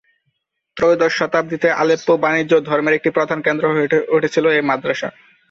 ত্রয়োদশ শতাব্দীতে, আলেপ্পো বাণিজ্য ও ধর্মের একটি প্রধান কেন্দ্র হয়ে উঠেছিল এ মাদ্রাসা।